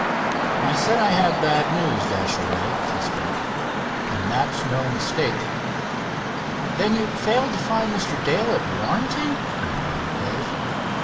"I said I had bad news, Dashaway," he spoke, "and that's no mistake." "Then you failed to find Mr. Dale at Warrenton?" inquired Dave.